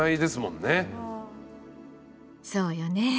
そうよね。